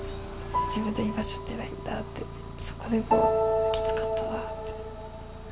自分の居場所ってないんだって、きつかったなって。